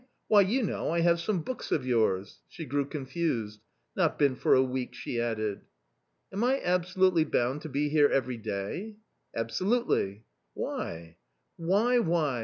why you know, I have some books of yours.'' She grew confused. " Not been for a week !" she added. " Am I absolutely bound to be here every day ?"" Absolutely !"" Why ?"" Why, why